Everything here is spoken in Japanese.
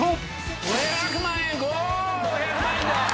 ５００万円でーす！